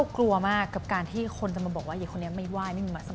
กลัวมากกับการที่คนจะบอกว่า